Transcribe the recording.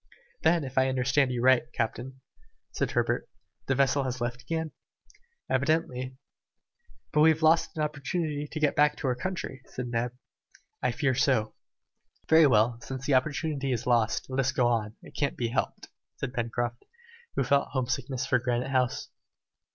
"Then, if I understand you right, captain," said Herbert, "the vessel has left again?" "Evidently." "And we have lost an opportunity to get back to our country?" said Neb. "I fear so." "Very well, since the opportunity is lost, let us go on, it can't be helped," said Pencroft, who felt home sickness for Granite House.